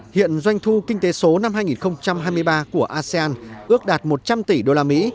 hiện doanh thu kinh tế số năm hai nghìn hai mươi ba của asean ước đạt một trăm linh tỷ usd